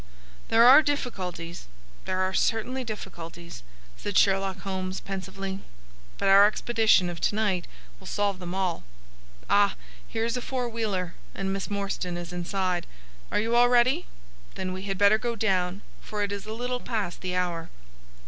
"There are difficulties; there are certainly difficulties," said Sherlock Holmes, pensively. "But our expedition of to night will solve them all. Ah, here is a four wheeler, and Miss Morstan is inside. Are you all ready? Then we had better go down, for it is a little past the hour."